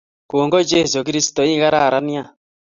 Kongoi Jesu Kristo ikararan nea